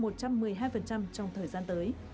trong thời gian tới